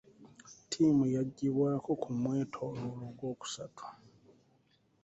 Ttiimu yaggyibwako ku mwetooloolo ogwokusatu.